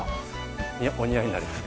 お似合いになります。